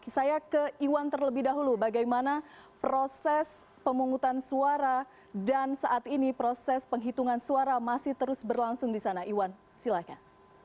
saya ke iwan terlebih dahulu bagaimana proses pemungutan suara dan saat ini proses penghitungan suara masih terus berlangsung di sana iwan silahkan